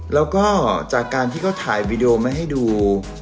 แล้วก็จากการที่เขาถ่ายวีดีโอมาให้ดู